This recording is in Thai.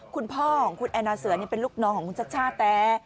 คุณพ่อของคุณแอนนาเสือนี่เป็นลูกน้องของคุณชัชชาแต่